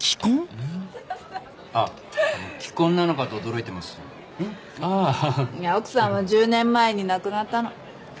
いや奥さんは１０年前に亡くなったの。